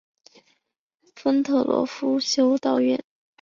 丰特夫罗修道院。